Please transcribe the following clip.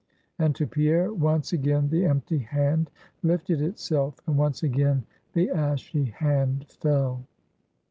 And to Pierre, once again the empty hand lifted itself, and once again the ashy hand fell.